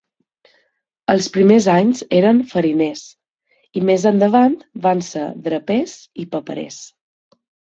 Els primers anys eren fariners i més endavant van ser drapers i paperers.